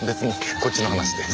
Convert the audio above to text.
こっちの話です。